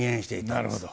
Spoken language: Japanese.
なるほど。